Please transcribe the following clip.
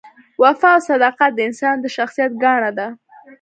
وفا او صداقت د انسان د شخصیت ګاڼه ده.